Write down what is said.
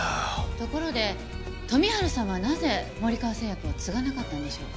ところで富治さんはなぜ森川製薬を継がなかったんでしょう？